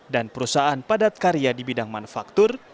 dan perusahaan padat karya di bidang manufaktur